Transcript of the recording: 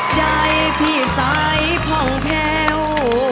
ใจพี่สายผ่องแพ้ว